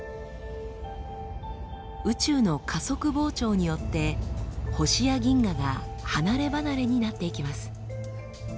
宇宙の加速膨張によって星や銀河が離れ離れになっていきます。